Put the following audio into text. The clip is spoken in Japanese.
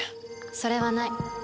それはない。